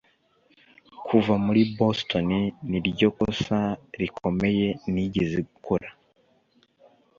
kuva muri boston niryo kosa rikomeye nigeze gukora